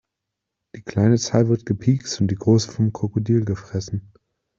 Die kleine Zahl wird gepikst und die große vom Krokodil gefressen.